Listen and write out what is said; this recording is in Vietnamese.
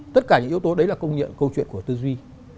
tất cả những yếu tố đấy là công nhận câu chuyện của tư duy